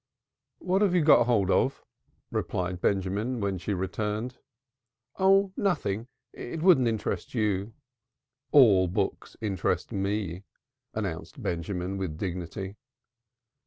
"What have you got hold of?" replied Benjamin, when she returned. "Oh, nothing! It wouldn't interest you." "All books interest me," announced Benjamin with dignity.